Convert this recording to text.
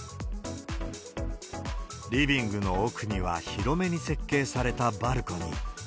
リビングの奥には、広めに設計されたバルコニー。